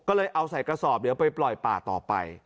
ก็เลยเอาใส่กระสอบเดี๋ยวไปปล่อยป่าต่อไป